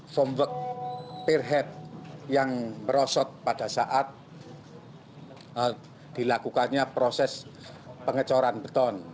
foam work pierhead yang merosot pada saat dilakukannya proses pengecoran beton